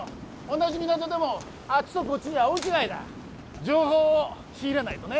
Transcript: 同じ港でもあっちとこっちじゃ大違いだ情報を仕入れないとね